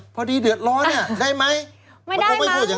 พอดีเดือดร้อนเนี่ยได้ไหม